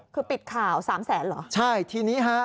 คือปิดข่าวสามแสนเหรอใช่ทีนี้ฮะ